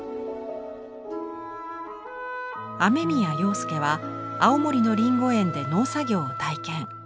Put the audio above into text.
雨宮庸介は青森のりんご園で農作業を体験。